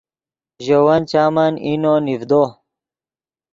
ژے ون چامن اینو نیڤدو